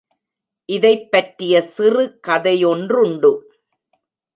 இதைப்பற்றிய சிறு கதையொன்றுண்டு.